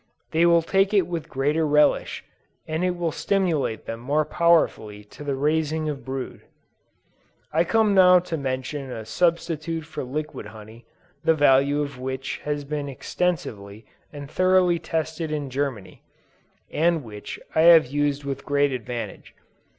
They will take it with greater relish, and it will stimulate them more powerfully to the raising of brood. I come now to mention a substitute for liquid honey, the value of which has been extensively and thoroughly tested in Germany, and which I have used with great advantage.